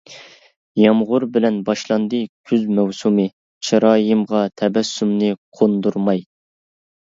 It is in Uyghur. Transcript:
يامغۇر بىلەن باشلاندى كۈز مەۋسۇمى، چىرايىمغا تەبەسسۇمنى قوندۇرماي.